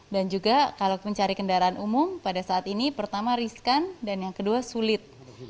dan juga kalau mencari kendaraan umum pada saat ini pertama risikan dan yang kedua sulit